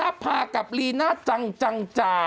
ม้าออนภากับลีน่าจังจังจ่า